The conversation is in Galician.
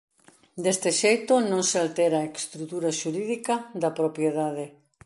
Deste xeito non se altera a estrutura xurídica da propiedade.